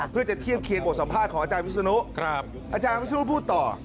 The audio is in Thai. เพื่อจะเทียบเคียงบทสัมภาษณ์ของอาจารย์วิศนุอาจารย์วิศนุพูดต่อ